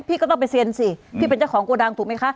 พี่ก็ต้องไปเซ็นสิพี่เป็นเจ้าของโกดังถูกไหมคะ